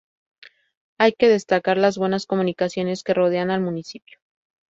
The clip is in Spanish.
Hay que destacar las buenas comunicaciones que rodean al municipio.